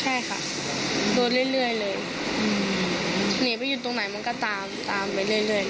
ใช่ค่ะโดนเรื่อยเรื่อยเลยอืมหนีไปอยู่ตรงไหนมันก็ตามตามไปเรื่อยเรื่อยเลย